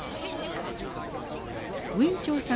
ウィン・チョウさん